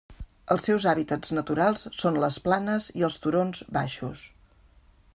Els seus hàbitats naturals són les planes i els turons baixos.